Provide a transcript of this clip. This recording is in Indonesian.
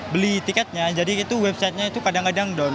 beli tiketnya jadi itu websitenya itu kadang kadang down